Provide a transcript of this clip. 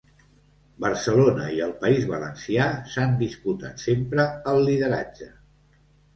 Barcelona i el país Valencià s'han disputat sempre el lideratge.